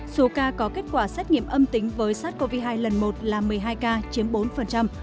số ca có kết quả xét nghiệm âm tính với sars cov hai lần một là một mươi hai ca chiếm bốn